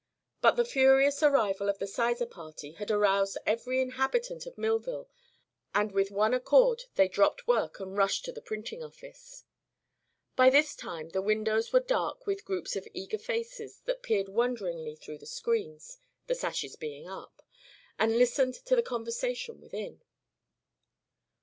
But the furious arrival of the Sizer party had aroused every inhabitant of Millville and with one accord they dropped work and rushed to the printing office. By this time the windows were dark with groups of eager faces that peered wonderingly through the screens the sashes being up and listened to the conversation within.